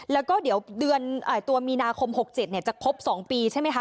แล้วก็เดี๋ยวเดือนตัวมีนาคม๖๗จะครบ๒ปีใช่ไหมคะ